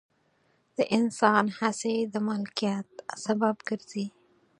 د انسان هڅې د مالکیت سبب ګرځي.